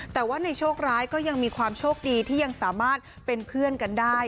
แต่ว่าในโชคร้ายก็ยังมีความโชคดีที่ยังสามารถเป็นเพื่อนกันได้